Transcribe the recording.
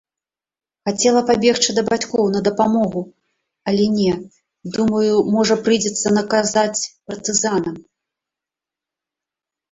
Хацела пабегчы да бацькоў на дапамогу, але не, думаю, можа, прыйдзецца наказаць партызанам.